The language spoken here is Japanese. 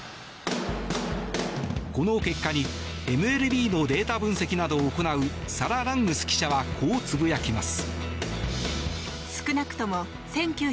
この結果にＭＬＢのデータ分析などを行うサラ・ラングス記者はこうつぶやきます。